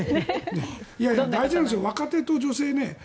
大事なんですよ、若手と女性ね